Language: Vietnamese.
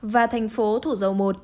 và thành phố thủ dầu một